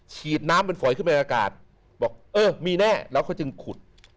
ฉีดน้ำเป็นฝอยขึ้นไปอากาศบอกเออมีแน่แล้วเขาจึงขุด